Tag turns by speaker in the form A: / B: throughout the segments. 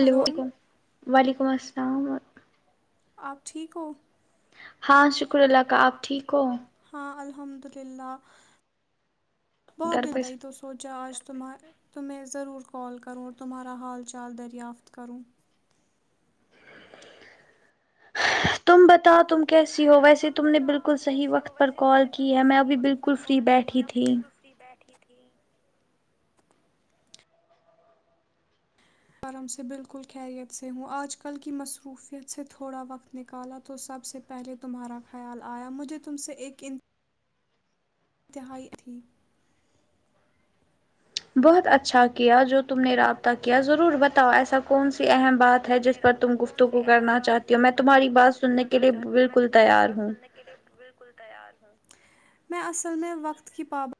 A: hello وعلیکم السلام آپ ٹھیک ہو
B: ہاں شکر اللہ کا آپ ٹھیک ہو
A: ہاں الحمداللہ بہت زیادہ ا ہی توس سوچا آج تمہ تمہیں ضرور کال کروں اور تمہارا حال چال دریافت کروں
B: تم بتاؤ تم کیسی ہو ویسے تم نے بالکل صحیح وقت پر کال کی ہے میں ابھی بالکل فری بیٹھی تھی
A: بھی بیٹھی تھی آرام سے بالکل خیریت سے ہوں آج کل کی مصروفیت سے تھوڑا وقت نکالا تو سب سے پہلے تمہارا خیال آیا مجھے تم سے ایک انتہائی تھی
B: بہت اچھا کیا جو تم نے رابطہ کیا ضرور بتاؤ ایسا کون سی اہم بات ہے جس پر تم گفتو کو کرنا چاہتی ہو میں تمہاری بات سننے کے لیے بالکل تیار ہوں
A: لیے بالکل تیار ہوں میں اصل میں وقت کی پابند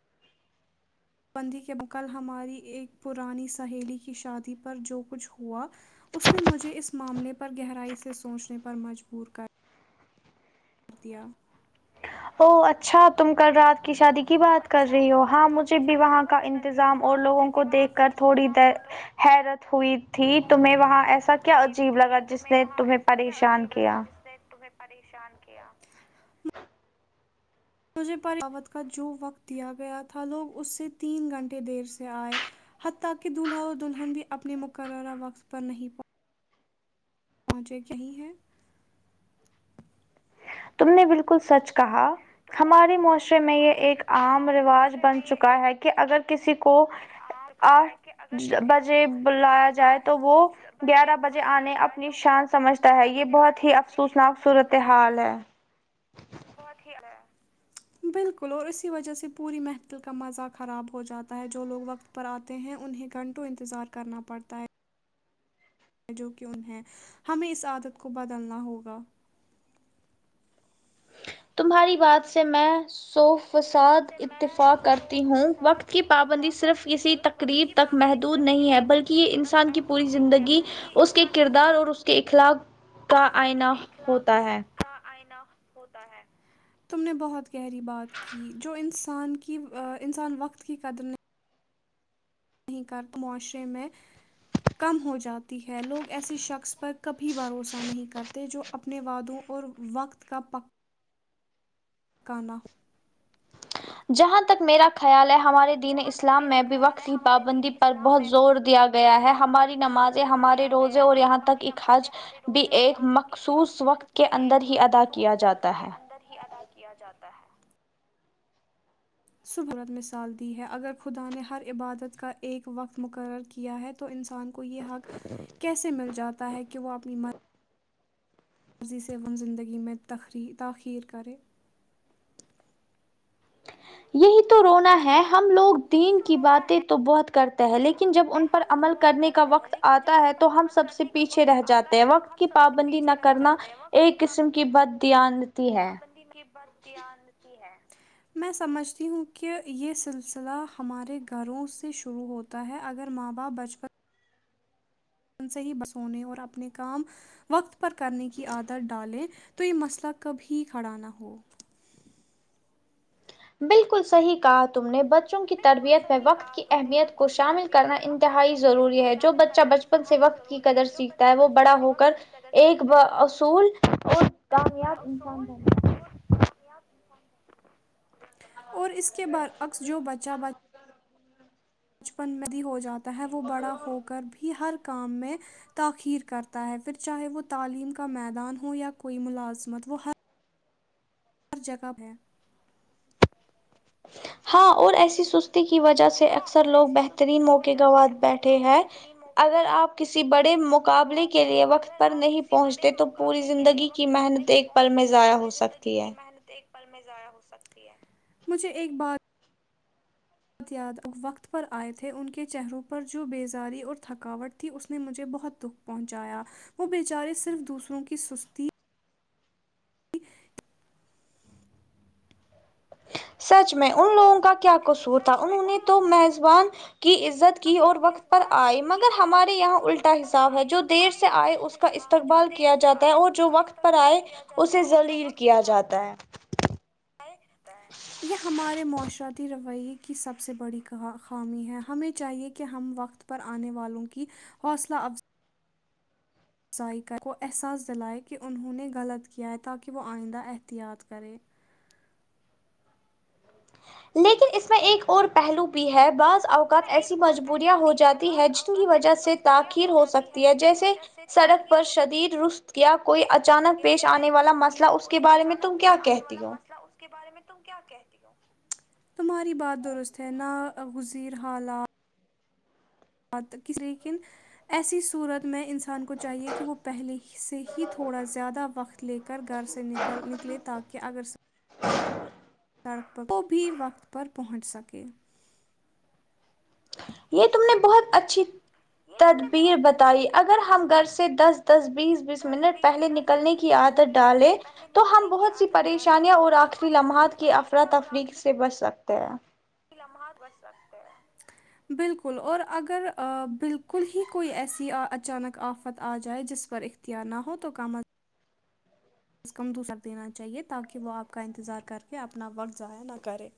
A: بندی کے میں کل ہماری ایک پرانی سہیلی کی شادی پر جو کچھ ہوا اس نے مجھے اس معاملے پر گہرائی سے سوچنے پر مجبور کر کر دیا
B: او اچھا تم کر رات کی شادی کی بات کر رہی ہو ہاں مجھے بھی وہاں کا انتظام اور لوگوں کو دیکھ کر تھوڑی دیر حیرت ہوئی تھی تمہیں وہاں ایسا کیا عجیب لگا جس نے تمہیں پریشان کیا
A: تمہیں پریشان کیا مجھے پر روت کا جو وقت دیا گیا تھا لوگ اس سے تین گھنٹے دیر سے آئے حتی کہ دولہا اور دلہن بھی اپنے مقررہ وقت پر نہیں پہن پنچ کہیں ہے
B: تم نے بالکل سچ کہا ہمارے معاشرے میں یہ ایک عام رواج بن چکا ہے کہ اگر کسی کو آٹھ بجے بلایا جائے تو وہ گیارہ بجے آنے اپنی شان سمجھتا ہے یہ بہت ہی افسوس ناک صورت حال ہے
A: بہت ہی ہے بالکل اور اسی وجہ سے پوری محفل کا مزہ خراب ہو جاتا ہے جو لوگ وقت پر آتے ہیں انہیں گھنٹوں انتظار کرنا پڑتا ہے جو کی انہیں ہمیں اس عادت کو بدلنا ہوگا
B: تمہاری بات سے میں سوف فساد اتفاق کرتی ہوں وقت کی پابندی صرف کسی تقریب محدود نہیں ہے بلکہ یہ انسان کی پوری زندگی اس کے کردار اور اس کے اخلاق کا آئینہ ہوتا ہے
A: آئینہ ہوتا ہے تم نے بہت گہری بات کی جو انسان کی انسان وقت کی قدر نے کہیں کر معاشرے میں کم ہو جاتی ہے لوگ ایسے شخص پر کبھی بھروسہ نہیں کرتے جو اپنے وعدوں اور وقت کا پک مکانا
B: جہاں تک میرا خیال ہے ہمارے دین اسلام میں بھی وقت کی پابندی پر بہت زور دیا گیا ہے ہماری نمازیں ہمارے روزے اور یہاں تک ا حج بھی ایک مخصوص وقت
A: بھی ایک مخصوص وقت کے اندر ہی ادا کیا جاتا ہے صبورت مثال دی ہے اگر خدا نے ہر عبادت کا ایک وقت مقرر کیا ہے تو انسان کو یہ حق کیسے مل جاتا ہے کہ وہ اپنی ماں مرضی سے ہم زندگی میں تاخیر کریں
B: یہی تو رونا ہے ہم لوگ دین کی باتیں تو بہت کرتے لیکن جب ان پر عمل کرنے کا وقت آتا ہے تو ہم سب سے پیچھے رہ جاتے ہیں وقت پابندی نہ کرنا ایک قسم کی بد دھیان
A: پابندی کی بد دانتی ہے میں سمجھتی ہوں کہ یہ سلسلہ ہمارے گھروں سے شروع ہو کرتا ہے اگر ماں باپ بچپن من سے ہی بسونے اور اپنے کام وقت پر کرنے کی عادت ڈالیں تو یہ مسئلہ کبھی کھڑا نہ ہو
B: بالکل صحیح کہا تم نے بچ بچوں کی تربیت میں وقت کی اہمیت کو شامل کرنا انتہائی ضروری ہے جو بچہ بچپن سے وقت کی قدر سیکھتا ہے وہ بڑا ہو کر ایک ب اصول
A: میں وہ بڑا اصول اور کامیاب انسان اور اس کے بعد اکس جو بچا بچ بچپن میں بھی ہو جاتا ہے وہ بڑا ہو کر بھی ہر کام میں تاخیر کرتا ہے پھر چاہے وہ تعلیم کا میدان ہو یا کوئی ملازمت وہ ہر ہر جگہ ہے
B: ہاں اور ایسی کی وجہ سے اکثر لوگ بہترین موقع گوات بیٹھے ہیں اگر آپ کسی بڑے مق مقابلے کے لیے وقت پر نہیں پہنچتے تو پوری زندگی کی محنت ایک پل میں ضایع ہو سک
A: محنت ایک بل میں ضایع ہو سکتی ہے مجھے ایک بات یاد وقت پر آئے تھے ان کے چہروں پر جو بیزاری اور تھکاوٹ تھی اس نے مجھے بہت دکھ پہنچایا وہ بیچارے صرف دوسروں کی سستی
B: سچ میں ان لوگوں کا کیا کصور تھا انہوں نے تو میزبان کی عزت کی اور وقت پر آئے مگر ہمارے یہاں الٹا حساب ہے جو دیر سے آئے اس کو کا استقبال کیا جاتا ہے اور جو وقت پر آئے اسے ذلیل کیا جاتا ہے
A: [unintelligible] یے ہمارے معاشرتی رویے کی سب سے بڑیا خامی ہے ہمیں چاہیے کہ ہم وقت پر آنے والوں کی حوصلہ افزا کو احساس دلائے کی انہوں نے غلط کیا ہے تاکی وہ آئندہ احتیاط کرے
B: لیکن اس میں ایک اور پہلو بھی ہے بعض اوقات ایسی مجبوریاں ہو جاتی ہے جن کی وجہ سے تاخیر ہو سکتی ہے جیسے سڑک پر شدید رست کیا کوئی اچانک پیش آنے والا مسلہ اس کے بارے میں تم کیا کہتی ہو
A: بارے میں تم کیا کہتی ہو تمہاری بات درست ہے ناگزیر حالات کس لیکن ایسی صورت میں انسان کو چاہیے کی وہ پہلے سے ہی تھوڑا زیادہ وقت لے کر گھر سے نکل نکلے تاکہ اگر سب سڑک پر وہ بھی وقت پر پہنچ سکے
B: یے تم نے بہت اچھی تدبیر بتائی اگ گر ہم گھر سے دس دس بیس بیس منٹ پہلے نکلنے کی عادت ڈالیں تو ہم بہت سی پریشانیاں اور آخری لمحات کو کی افرا تفری سے بچ سکتے ہیں
A: لمحات بچ رکھتے ہیں بالکل اور اگر بالکل ہی کوئی ایسی اچانک آفت آ جائے جس پر ایک کیا نہ ہو تو کم کم از کم دوسر دینا چاہیے تاکہ وہ آپ کا انتظار کر کے اپنا وقت ضایع نہ کرے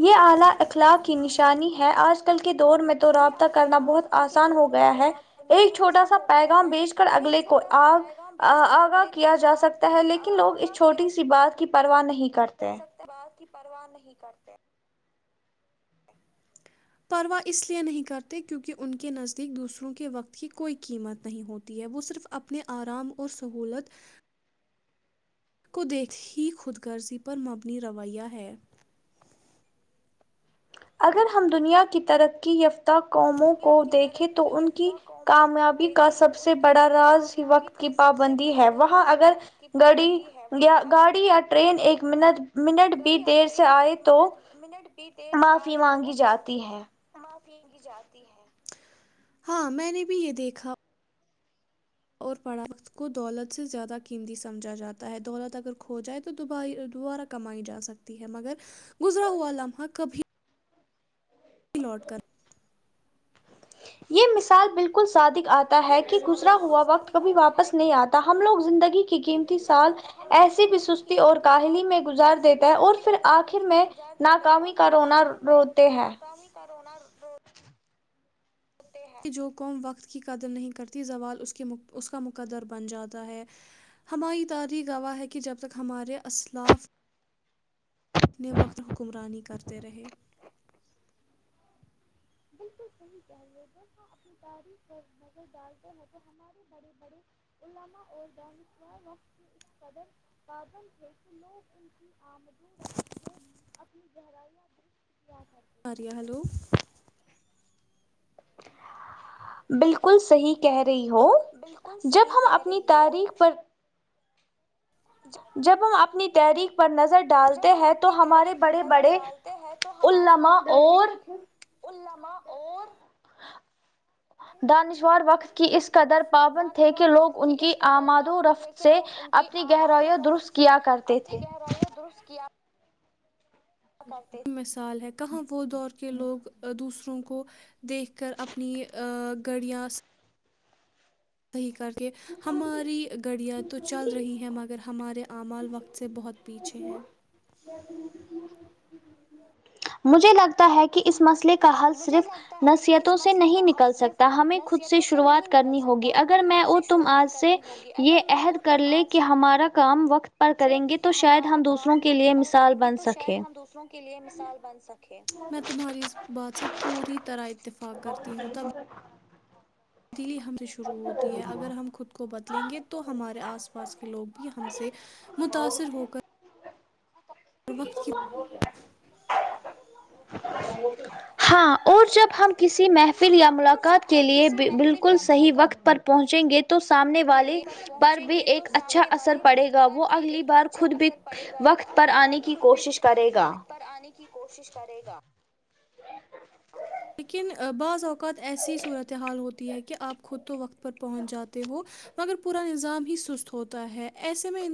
B: یہ اعلی اخلاق کی نشانی ہے آج کل کے دور میں تو رابطہ کرنا بہت آسان ہو گیا ہے ایک چھوٹا سا پیغام بیچ کر اگلے کو آگ آگاہ کیا جا سکتا ہے لیکن لوگ اس چھوٹی سی بات کی پرواہ نہیں
A: جا سکتے بات کی پروا نہیں کرتے پرواہ اس لیے نہیں کرتے کیونکی ان کے نزدیک دوسروں کے وقت کی کوئی قیمت نہیں ہوتی ہے وہ صرف اپنے آرام اور سہولت کو دیکھ ہی خود غرضی پر مبنی رویہ ہے
B: اگر ہم دنیا کی ترقی یا قوموں کو دیکھے تو ان کی کامیابی کا سب سے بڑا راز ہی وقت کی پابندی ہے وہاں اگر گڑی یا گاڑی یا ٹرین ایک منٹ بھی دیر سے آئے تو
A: منٹ بھی دیر سے آئے تو معافی کی جاتی ہے ہاں میں نے بھی یے دیکھا اور پڑھا اس کو دولت سے زیادہ قیمتی سمجھا جاتا ہے دولت اگر کھو جائے تو دوبائی دوبارہ کمائی جا سکتی ہے ہے مگر گزرا ہوا لمحہ کبھی لوٹ کر
B: یے مثال بالکل سادق آتا ہے کی گزرا ہوا وقت کبھی واپس نہیں آتا تو ہم لوگ زندگی کی قیمتی سال ایسی بھی سستی اور کاہلی میں گزار دیتا ہے اور پھر اخر میں
A: گزار دیتے ہے اور پھر اخر میں ناکامی کا رونا رو جو قوم وقت کی قدر نہیں کرتی زوال اس کا اس کا مقدر بن جاتا ہے ہماری تاریخ گواہ ہے کی جب تک ہمارے اسلاف اپنے وقت حکمرانی کرتے رہے
B: بالکل صحیح کہے رہی ہو تم جب ہم اپنی تریخ پر نظر ڈالتے ہیں تو ہمارے بڑے بڑے علامہ اور دانوار وقت کی قدر بادل تھے کی لوگ ان کی امدوں رکھ کے اپنی گہرائیاں
A: آرہی ہے ہیلو
B: بالکل صحیح کہہ رہی ہو جب ہم اپنی تاریخ پر جب ہم اپنی تحریک پر نظر ڈالتے ہیں تو ہمارے بڑے بڑے علامہ اور
A: علامہ اور
B: دانشوار وقت کی اس قدر پابند تھے کہ لوگ ان کی اماد و رفت سے اپنی گہرائیوں درست کیا کرتے
A: اپنی گہرائیوں درست کیا یے مثال ہے کہاں وہ دور کے لوگ دوسروں کو دیکھ کر اپنی گڑیاں صحیح کر کے ہماری گڑیاں تو چل رہی ہیں مگر ہمارے اعمال وقت سے بہت پیچھے ہیں
B: مجھے لگتا ہے کی اس مسئلے کا حل صرف نصیحتوں سے نہیں نکل سکتا ہمیں خود سے شروعات کرنی ہوگی اگر میں اٹھ تم اج سے یے عہد کر لیں کہ ہمارا کام وقت پر کریں گے تو شاید ہم دوسروں کے لیے مثال بن سکے
A: لیے مثال بن سکے میں تمہاری اس بات سے پوری طرح اتفاق کرتی ہوں تب تبدیلی ہم سے شروع ہوتی ہے اگر ہم خود کو بدلیں گے تو ہمارے اس پاس کے لوگ بھی ہم سے متاثر ہو کر
B: [unintelligible] وہ ہاں اور جب ہم کسی محفل یا ملاقات کے لیے بالکل صحیح وقت پر پہنچیں گے سامنے والے پر بھی ایک اچھا اثر پڑے گا وہ اگلی بار خود بھی
A: پڑے گا وہ اگلی بار کو
B: کی کوشش کرے گا
A: آنے کی کوشش کرے گا لیکن بعض اوقات ایسی صورت حال ہوتی ہے کی اپ خود تو وقت پر پہنچ جاتے ہو مگر پورا نظام ہی سست ہوتا ہے ایسے میں ان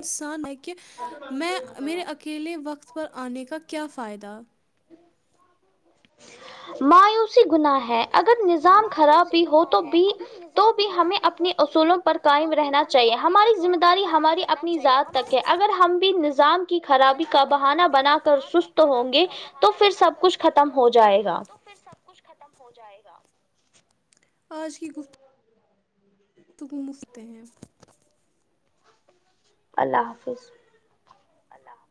A: انسان ہے کہ میں میرے اکیلے وقت پر انے کا کیا فائدہ
B: مایوسی گناہ ہے اگر نظ ظام خراب بھی ہو تو بھی تو بھی ہمیں اپنی اصولوں پر قائم رہنا چاہیے ہماری ذمہ داری ہماری اپنی ذات تک ہے اگر ہم بھی نظام کی خرابی کا بہانا بنا کر سست ہوں گے تو پھر سب کچھ ختم
A: تو ہوں گے تو پھر سب کچھ ختم ہو جائے گا اج کی گفت بو بی مفتے ہیں
B: اللہ حافظ
A: اللہ